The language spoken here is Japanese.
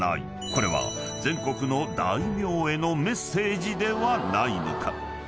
［これは全国の大名へのメッセージではないのか？］